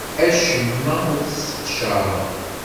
Acemma ur t-sseqcareɣ.